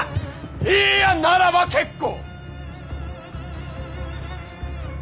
いいやならば結構！